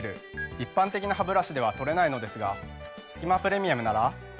一般的なハブラシでは取れないのですが「すき間プレミアム」なら。